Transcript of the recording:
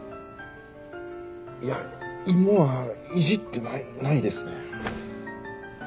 いや芋はいじってないないですね。